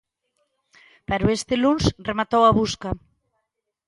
Pero este luns rematou a busca.